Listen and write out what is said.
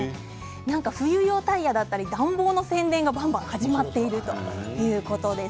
冬用タイヤだったり暖房の宣伝がばんばん始まっているということです。